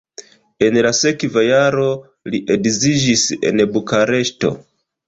En la sekva jaro li edziĝis en Bukareŝto.